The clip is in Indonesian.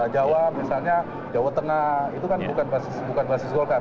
jawa misalnya jawa tengah itu kan bukan basis golkar